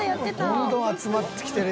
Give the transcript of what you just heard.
「どんどん集まってきてるやん」